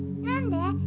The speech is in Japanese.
なんで？